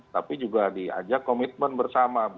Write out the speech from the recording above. tapi juga diajak komitmen bersama